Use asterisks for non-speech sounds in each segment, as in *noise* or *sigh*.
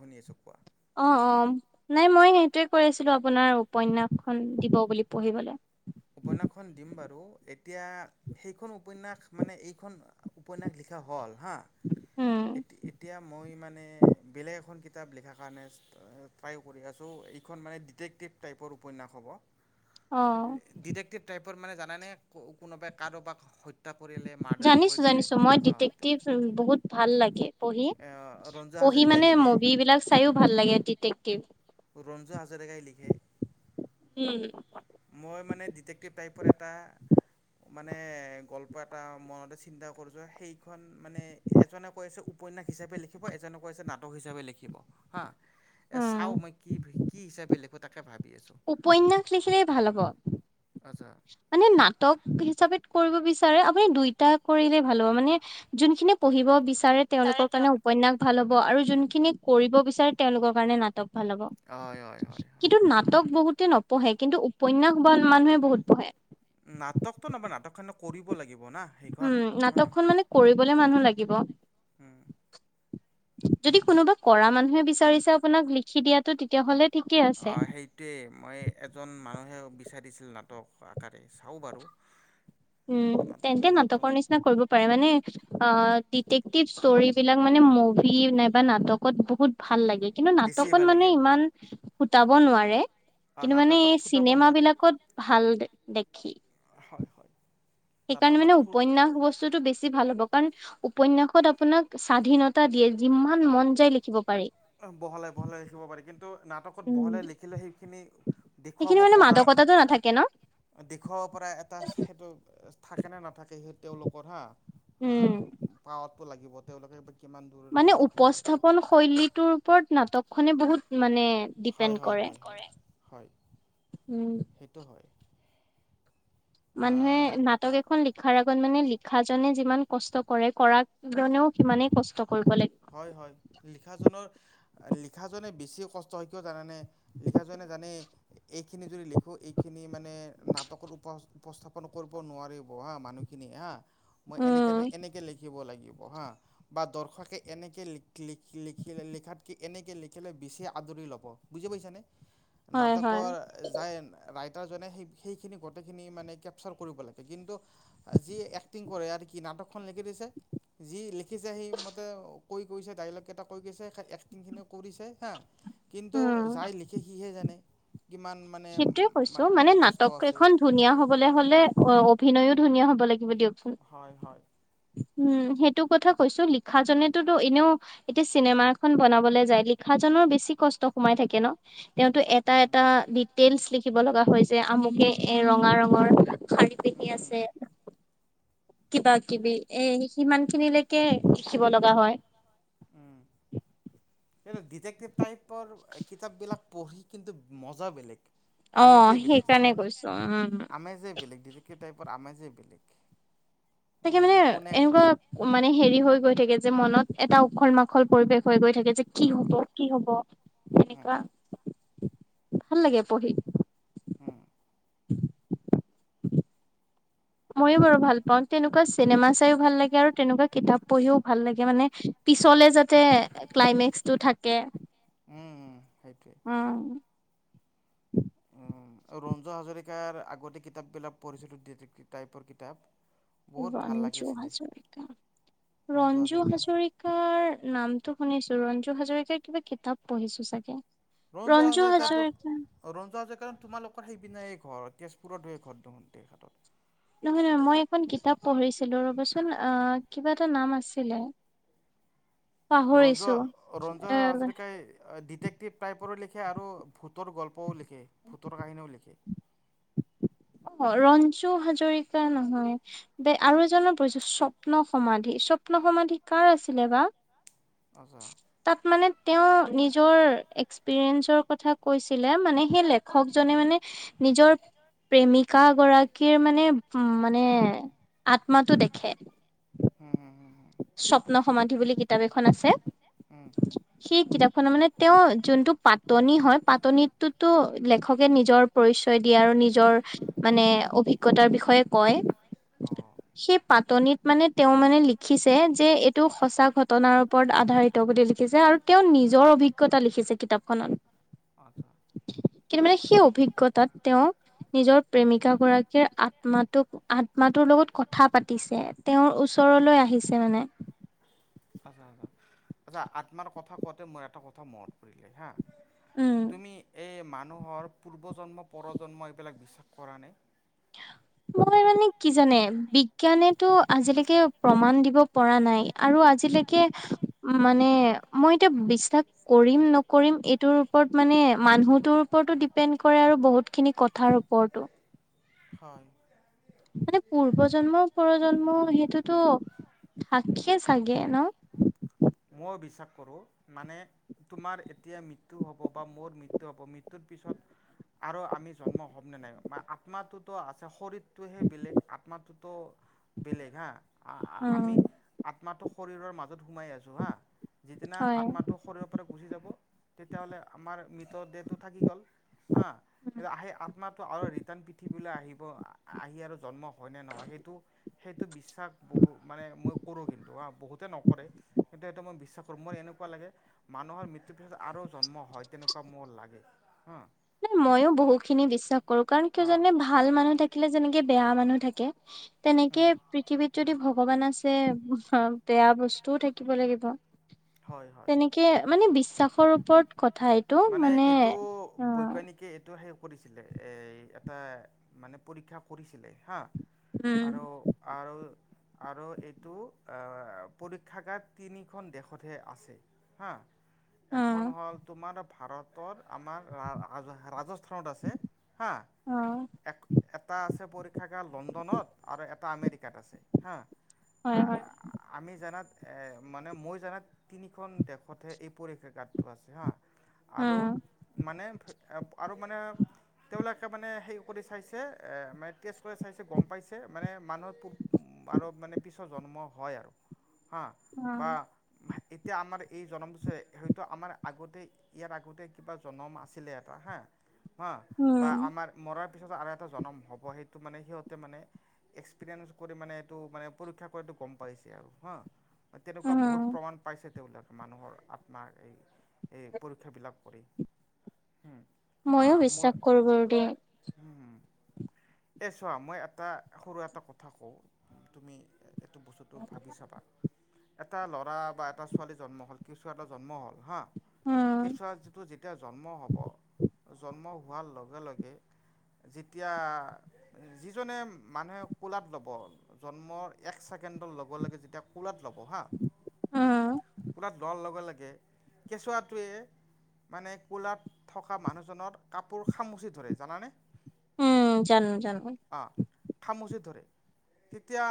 শুনি আচো কোৱা অ অ নাই মই সেইটোৱে কৈ আছিলো আপোনাৰ উপন্যাসখন দিব বুলি পঢ়িবলৈ। উপন্যাস খন দিম বাৰু এতিয়া সেইখন উপন্যাস মানে এইখন উপন্যাস লি হল হা উম এতিয়া মই মানে। বেলেগ এখন কিতাপ লিখা কাৰনে অ ত্ৰাই কৰি আছো এইখন মানে দিটে্কটিভ টাইপৰ উপ *unintelligible* অ', টি টাইপৰ মানে জানে নে কোনোবাই কাৰোবাক হত জানিছো - জানিছো মই ডিটেক্টিভ বহুত ভাল লাগে পঢ়ি। ৰঞ্জু পঢ়ি হাজৰিকাই মানে লিখে মুভি বিলাক চাইও ভাল লাগে দিক্টেটিভ। ৰঞ্জু হাজৰিকাই লিখে। উম, মই মানে ডিটে্কটিভ টাইপৰ এটা মানে গল্প এটা মনতে চিন্তা কৰি যোৱা সেইখন মানে এজনে কৈ আছে উপন্যাস হিচাপে লেখিব এজনক কোৱা হৈছে নাটক হিচাপে লেখিব হা। এ উম চাওঁ মই কি কি হিচাপে লিখো তাকে ভাবি আছোঁ উপন্যাস লিখিলেই ভাল হ'ব। আচ্ছা মানে নাটক হিচাপেত কৰিব বিচ আপুনি দুইটা কৰিলে ভাল হ'ব মানে যোনখিনি পঢ়িব বিচ তাৰে তেওলোকৰ কাৰণেও উপন্যাস ভাল হব আৰু কোনখিনি কৰিব বিচাৰে তেওলোকৰ কাৰণে নাটক। ভাল হব হয় হয় হয় হয় কিন্তু নাটক বহুতে নপঢ়ে কিন্তু উপন্যাস বা মানুহে বহুত পহে। নাটকটো নবনা নাটক খানো কৰিব লাগি উম, নাটকখন মানে কৰিবলে মানুহ লাগিব। উম। যদি কোনোবা কৰা মানুহে বিচাৰিছে আপোনাক লিখি দিয়াটো তেতিয়া হ'লে অ' সেইটোৱে মই এজন মানুহে বিচাৰিছিল নাটক চাও বাৰু। উম তেন্তে নাটক নাটকৰ নিচিনা কৰিব পাৰে মানে আ আহ, ডিটেক্টিভ ষ্টৰি বিলাক মানে মুভি নাইবা নাটকত বহুত ভাল লাগে কিন্তু বেছিয়ে নাটকত ভাল মানে লাগে ইমান সুটাব নোৱাৰে অঁ কিন্তু মানে নাটকত এই ফুটাব চিনেম নোৱাৰে বিলাকত ভাল দেখি। হয় হয়। সেইকাৰণে নাটকত মানে ফু উপন্যাস বস্তুতটো বেছি ভাল ব কাৰণ উপন্যাসত আপোনাক স্বাধীনতা দিয়ে যিমান মন যায় লিখিব পাৰি। বহলাই - বহলাই খীলিব পাৰি কিন্তু নাটকত উম, বহলে লিখিলে সেইখিনি দেখুৱাব সেইখিনি মানে পৰা মাদকতাটো নাথাকে ন' দেখুৱ পৰা এটা সেইটো থাকে নে নাথাকে সেই তেওলোকৰ হা অ, উম। পাৱাতটো লাগিব তেওলোকে মানে উপস্থাপন শৈলীটোৰ ওপৰত নাটক খনে বহুত মানে হয় ডিপেণ্ড হয় কৰে। হয় হয় হয়। উম। সেইটো হয়। মানুহে নাটক এখন লিখাৰ আগ মানে লিখা জনে যিমান কষ্ট কৰে কৰা জনেও সিমানে কষ্ট কৰে হয় হয় লিখাজনৰ লিখাজনে বেছি কষ্ট হয় কিয় জানানে? লিখা জনে জানেই এইখিনি যদি লেখো এইখিনি মানে নাটকত উপস উপস্থাপন কৰব নোৱাৰেব হা মানুহখিনি হা মই এনেকে নাই উম, এনেকে লেখিব লাগি বহা বা দৰ্শকে এনেকৈ ল লিখ - লিখিলে -লিখাতকৈ এনেকৈ লিখিলে বেছি আদৰি ল'ব বুজি পাইছানে? হয় হয়। নাটকৰ যাই ৰাই তাৰজনে সেই সেইখিনি গতেখিনি মানে কেপছাৰ কৰিব লাগে, কিন্তু যিয়ে একটিং কৰে আৰকি না নাটকখন লিখি দিছে যি লিখিছে সি মতে কৈ কৈছে ডাইলগ কেইটা কৈ কৈছে এক্টিং খিনি কৰিছে হা কিন্তু উম। যাই লিখে সিহে জানে কিমান মানে সেইটোয়ে কৈছো মানে কষ্ট নাটক আছে এখন ধুনীয়া হবলৈ হলে অ অভিনয়ো ধুনীয়া হব লাগিব থাকিব দিয়কচোন হয় হয় উম সেইটো কথা কৈছো লিখাজনেতো টো এনেও এতিয়া চিনেমা এখন বনাবলে যায় লিখাজন বেছি কষ্ট সোমাই থাকে ন তেওঁতো এটা উম হম। এটা তেইলছ লিখিব লগা যে আমুকে এ ৰঙা ৰঙৰ শাৰী পিন্ধি উম আছে কিবা কিবি এ সিমান খিনিলৈকে শিকিব লগা হয় উ ডিতেক্তিভ টাইপৰ কিতাপ বিলাক পঢ়ি কিন্তু মজা বেলেগ অ আমেজে বেলেগ সেইকাৰণে কৈছো উ ডিটেকটিভ টাইপৰ আমাজেই বেলেগ তাকে উম মানে কোনে এনেকুৱা মানে হেৰি হৈ গৈ থাকে যে মনত এটা উখল মাখল পৰিৱেশ হৈ গৈ থ থাকে যে কি হ'ব কি হ'ব কি এনেকোৱা ভাল লাগে পহি হম *inaudible* ময়ো বাৰু ভাল পাওঁ তেনেকুৱা চিনেমা ভাল লাগে আৰু তেনেকুৱা কিতাপ পঢ়িও ভাল লাগে মানে পিছলে যাতে ক্লাইমেক্স টো থাক একে উম, সেইটোৱে অ উম, *inaudible* ৰঞ্জু হাজৰিকাৰ আগতে কিতাপবিলাক পঢ়িছিলো *unintelligible* টাইপৰ কিতাপ বহুত ভাল ৰঞ্জু লাগিছিলে হাজৰিকা ৰঞ্জু হাজৰিকাৰ নামটো শুনিছো ৰঞ্জু হাজৰিকাৰ কিবা কিতাপ পঢ়িছো চাগে ৰঞ্জু হাজৰিকাৰ টো ৰঞ্জু হাজৰিকাৰ তোমালোকৰ সেইপিনেই ঘৰ তেজপুৰতহে ঘৰ ধহুন তেহেটৰ নহয় নহয় মই এখন কিতাপ পঢ়িছিলো ৰ'বচোন আহ কিবা এটা নাম আছিলে *inaudible* ৰঞ্জু পাহৰিছো ৰঞ্জু এ হাজৰিকাই ডিটেক টাইপৰে লিখে আৰু ভূতৰ গল্পও লিখে ভূতৰ কাহিনীও লিখে অ ৰঞ্জু হাজৰিকা নহয় ব আৰু এজনৰ পৰিছো স্বপ্ন সমাধি স্বপ্ন সমাধি কাৰ আছিলে বা আচ্ছা তাত মানে তেওঁ নিজৰ এক্সপিৰিয়েঞ্চৰ কথা কৈছিলে মানে সেই লেখকজনে মানে নিজৰ প্ৰেমিকা গৰাকীৰ মানে উ মানে আত মাতো দেখে হুম হুম হুম হুম স্বপ্ন সমাধি বুলি কিতাপ এখন আছে হুম সেই কিতাপ খনৰ মানে তেওঁৰ যোনটো পাতনি হয় পাতনিত টো টো লেখকে নিজৰ পৰিচয় দিয়ে আৰু নিজৰ মানে অভিজ্ঞতা বিষয়ে কয় অঁ সেই পাতনিত মানে তেওঁ মানে লিক লিখিছে যে এইটো সঁচা ঘটনাৰ ওপৰত আধাৰিত বুলি লিখিছে আৰু তেওঁ নিজৰ অভিজ্ঞতা লিখি কিতাপখনত আচ্ছা কিন্তু মানে সেই অভিজ্ঞতাত তেওঁ নিজৰ প্ৰেমিকা গৰাকীৰ আত্মাটো আত্মাটোৰ লগত কথা পাতিছে তেওঁৰ ওচ ওচৰলৈ আহিছে মানে আচ্ছা আচ্ছা আত্মাৰ কথা কওঁতে মই এটা কথা মনত পৰিলে হা উম তুমি এই মানুহৰ পূৰ্বজন্ম পৰজন্ম এইবিলাক বিশ্বাস কৰা নে *unintelligible* মই মানে কি জানে বিজ্ঞানে আজিলৈকে প্ৰমাণ দিব পৰা নাই আৰু আজিলৈকে মানে মই এতিয়া বিশ্বাস কৰিম নকৰিম এইটোৰ ওপৰত মানে মানুহতোৰ ওপৰতো ডিপেণ্ড কৰে আৰু বহুত খিনি কথাৰ ওপৰতো। হয়। মানে পূৰ্বজন্ম পৰজন্ম সেইটোতো থাকে চাগে ন? মই বিশ্বাস কৰোঁ মানে তোমাৰ এতিয়া মৃত্যু হ'ব বা মোৰ মৃত্যু হ'ব মৃত্যুৰ পিছত আৰু আমি জন্ম হ'মনে নাই আত্মাটোতো আছে। শৰত টো হে বেলেগ, আত্মাটোতো বেলেগ হা উম আমি আত্মাটো শৰীৰৰ মাজ ত সোমাই আছো হা, যিদিনা হয় আত্মাটো শৰীৰৰ পৰা গুচি যাব তেতিয়াহ'লে আমাৰ মৃত দেহটো থাকি গ'ল। উম অ' আহ আত্মাতো আৰু ৰিটাৰ্ণ পৃথিবীলৈ আহিব আহি আৰু জন্ম হয় নে নহয় সেইটো সেইটো বিশ্বাস বহু মানে মই কৰোঁ কিন্তু হ বহুতে নকৰে। কিন্তু সেইটো মই বিশ্বাস কৰো মোৰ এনেকুৱা লাগে মানুহৰ মৃত্যুৰ পিছত আৰু জন্ম হয় তেনেকুৱা মোৰ লাগে। হা'। ন ময়ো বহুত খিনি বিশ্বাস কৰো কাৰণ কিয় অঁ জনেনে ভাল মানুহ থাকিলে যেনেকে-া বেয়া মানুহ থাকে। তেনেকে পৃথিৱীত যদি ভগৱান আছে বেয়া বস্তু তো থাকিব লাগিব। হয় হয় তেনেকে মানে বিশ্বাসৰ ওপৰত কথা এইটো। মানে অ বৈজ্ঞানিকে এইটো হে কৰিছিলে এ এটা মানে পৰীক্ষা কৰিছিলে হা। আৰু, উম আৰু আৰু এইটো আহ পৰীক্ষাগাৰ তিনিখন দেশ শতহে আছে হা, অ এখন হ'ল তোমাৰ ভাৰতৰ আমাৰ ৰা-ৰাজস্থানত আছে, হা। অ এক, এটা আছে পৰীক্ষাগাৰ লণ্ডনত আৰু এ এটা আমেৰিকাত আছে হা, হয় হয় আমি জানাত, মানে মই জানাত তিনিখন দেশতহে এই পৰীক্ষাগাৰটো আছে হা। আৰু উম মানে, আৰু মানে, এইবিলাকে মানে, হেৰি কৰি চাইছে এ', মানে টেষ্ট কৰি চাইছে, গম পাইছে মানে মানুহৰ *unintelligible* আৰু মানে পিছৰ জন্ম হয় আৰু হা, উম বা এতিয়া আমাৰ এই জন্মটো চাই, হয়তো আমাৰ আগতে, ইয়াৰ আগতে কিবা এটা জন্ম আছিলে এটা হা, বা উম আমাৰ মৰাৰ পিছতো আৰু এটা জন্ম হ'ব। সেইটো মানে, সিহঁতে মানে, এক্সপিৰিয়েঞ্চ কৰি, মানে এইটো পৰীক্ষা কৰি গম পাইছে আৰু হা, তেনেকুৱা উম বহুত প্ৰমাণ পাইছে, তেওঁৰ তাত, মানুহৰ আত্মাৰ এই, এই পৰীক্ষাবিলাক কৰি ময়ো আহ মই বিশ্বাস কৰোঁ বাৰু দেই। উম এই চোৱা, মই এটা, সৰু এটা কথা কওঁ, তুমি এইটো বস্তুটো ভাবি চাবা, এটা ল ল'ৰা বা এটা ছোৱালী জন্ম হ'ল, কেঁচুৱা এটা জন্ম হ'ল হা। উম কেঁচুৱাটো যেতিয়া জন্ম হ'ব, জন্ম হোৱাৰ লগে-লগে যেতিয়া, যিজনে মানুহে কোলাত ল'ব, জন্মৰ এক ছেকেণ্ড কেণ্ড ল'ব লাগে যেতিয়া কোলাত ল'ব হা, উম কোলাত লৈ লগে-লগে কেঁচুৱাটোৱে মানে, কোলাত থকা মানুহজনৰ কাপোৰ খামুচি ধৰে, জানানে? উম, জানো-জানো। অঁ খামুচি ধৰে। তেতিয়া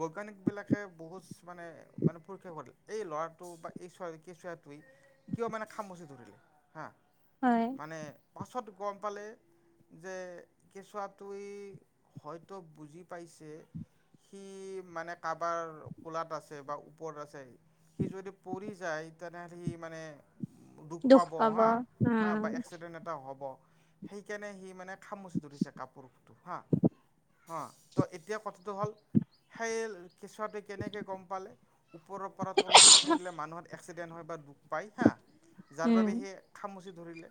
বৈজ্ঞানিকবিলাকে বহুত মানে, মানে পৰীক্ষা এই ল'ৰাটো বা এই ছোৱালী কেঁচুৱাটোৱে কিয় মানে খামুচি ধৰিলে? হা হয় মানে, পাছত গম পালে যে কেঁচুৱাটোৱে হয়টো বুজি পাইছে। সি মানে কাৰবাৰ কোলাত আছে বা। ওপৰত আছে, সি যদি পৰি যায় তেনেহ'লে সি মানে। দোষ দুখ পাব হা হা উম বা এক্সিডেণ্টত এটা হ'ব। সেইকাৰণে সি মানে খামুচি ধৰিছে কাপোৰ ফুটো হা। অ' ত এতিয়া কথাটো হ'ল সেই কেঁচুৱাটো কেনেকৈ গম পালে ওপৰৰ পৰা তলত পৰিলে মানুহত এক্সিডেণ্ট হয় বা দুখ পাই হা যাৰ উম বাবেহে খামুচি ধৰিলে।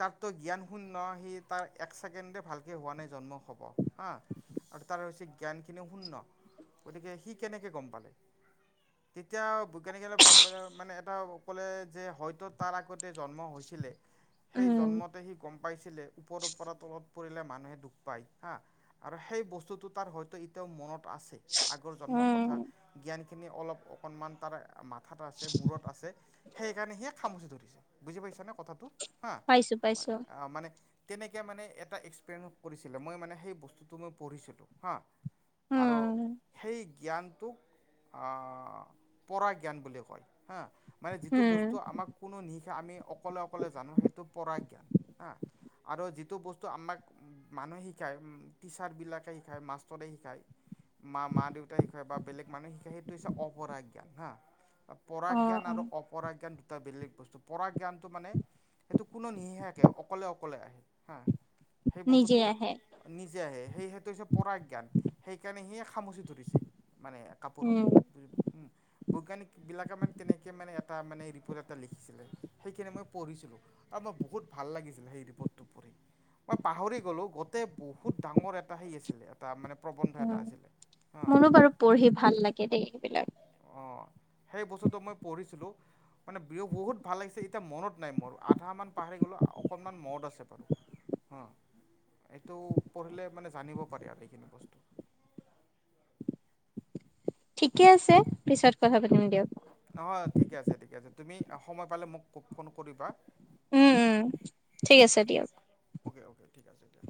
তাৰতো জ্ঞান শুন্য সি তাৰ এক ছেকেণ্ডে ভালকে হোৱা নাই জন্ম হ'ব হা। আৰু তাৰ হৈছে জ্ঞান খিনিও শুন্য গতিকে সি কেনেকে গম পালে। *inaudible* তেতিয়া বৈজ্ঞানিকলে ভাব মানে এটা ক'লে যে হয়তো তাৰ আগতে জন্ম হৈছিলে সেই উম জন্মতে সি গম প পাইছিলে ওপৰৰ পৰা তলত পৰিলে মানুহে দুখ পায় হা আৰু সেই বস্তুতটো তাৰ হয়তো এতিয়াও মনত। আছে আগৰ জন্মৰ উম কথা জ্ঞানখিনি অলপ অকণমান তাৰ। মাথাাত আছে মূৰত আছে সেই কাৰণে সিয় খামুচি ধৰিছে বুজি পাইছা নে কথাটো হা পাইছো পাইছো আহ মানে। তেনেকৈ মানে এটা এক্সপেৰিয়েঞ্চ কৰিছিলে মই মানে সেই বস্তুটো মই পঢ়িছিলোঁ হাঁ। আৰু উম, সেই জ্ঞানটোক আহ পৰা জ্ঞান বুলি কয় হা মানে যিটো উম, বস্তু আমাক কোনো নি আমি অকলে অকলে জানো সেইটো পৰাজ্ঞান হা। আৰু যিটো বস্তু আমাক মানুহে শিকায় টিচাৰবিলাকে শিকায় মাষ্টৰে শিকায় মা মা দেউতাই শিকায় বা বেলেগ মানুহ সেইটো হৈছে অপৰাজ্ঞান হা অ', পৰাজ্ঞান আৰু অ', অপৰাজ্ঞান দু এটা বেলেগ বস্তু পঢ়া জ্ঞানটো মানে সেইটো কোনো নিহাকে অকলে অকলে আহে হা। সেই নিজে বস্তুতটো আহে নিজে আহে সেই সেইটো হৈছে পৰা জ্ঞান সেইকাৰণে সিয়ে খামুচি ধৰিছে মানে। উম, কাপোৰত বুজ বৈজ্ঞানিকবিলাকে মানে তেনেকৈ মানে এটা মানে ৰিপৰ্ট এটা লিখিছিলে সেইখিনি মই পঢ়িছিলো আৰু মই বহুত ভাল লাগিছিলে সেই ৰিপৰ্টটো পঢ়ি। মই পাহৰি গ'লো গোতেই বহুত ডাঙৰ এটা হেই আছিলে এটা মানে। প্ৰবন্ধ উ এটা আছিলে হা মোৰো বাৰু পঢ়ি ভাল লাগে দেই সেইবিলাক অঁ সেই বস্তুতটো মই পঢ়িছিলো মানে বিহু বহুত ভাল লাগিছে এতিয়া মনত নাই মোৰ আধা মান পাহৰি গলো। অকণমান মদ আছে বাৰু হ। এইটো পঢ়িলে মানে জানিব পাৰি আৰু এইখিনি বস্তু। *inaudible* ঠিকে আছে পিছত কথা পাতিম দিয়ক। নহয় ঠিকে আছে ঠিকে আছে তুমি সময় পালে মোক ফোন কৰিবা। হা উম উম ঠিক আছে দিয়ক। অ'কে অকে ঠিক আছে দিয়া।